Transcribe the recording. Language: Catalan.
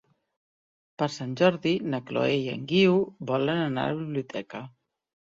Per Sant Jordi na Chloé i en Guiu volen anar a la biblioteca.